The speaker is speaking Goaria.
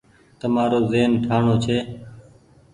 تمآرو زهين ٺآڻوڻ ڇي۔